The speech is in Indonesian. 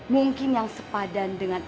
mungkin yang sepadan dengan